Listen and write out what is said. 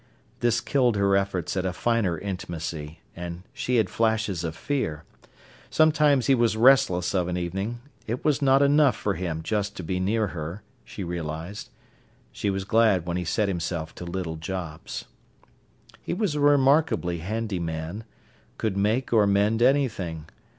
This killed her efforts at a finer intimacy, and she had flashes of fear. Sometimes he was restless of an evening: it was not enough for him just to be near her, she realised. She was glad when he set himself to little jobs. He was a remarkably handy man—could make or mend anything.